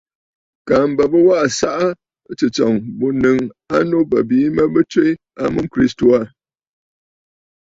Kaa mbə bɨ waꞌǎ ɨsaꞌa tsɨ̂tsɔ̀ŋ bû ǹnɨŋ a nu bə̀ bìi mə bɨ tswe a mum Kristo Yesu aà.